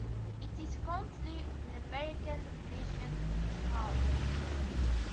It is currently an American Legion hall.